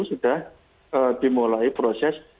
sudah dimulai proses